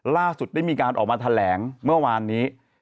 ล่าสุดได้มีการออกมาแถลงเมื่อวานนี้